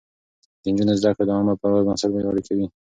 د نجونو زده کړه د عامه باور بنسټ پياوړی کوي.